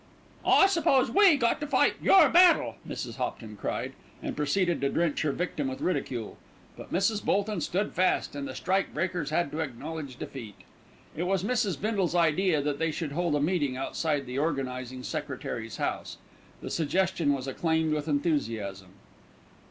"I suppose we got to fight your battle," Mrs. Hopton cried, and proceeded to drench her victim with ridicule; but Mrs. Bolton stood fast, and the strike breakers had to acknowledge defeat. It was Mrs. Bindle's idea that they should hold a meeting outside the organising secretary's house. The suggestion was acclaimed with enthusiasm.